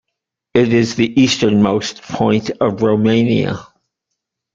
It is the easternmost point of Romania.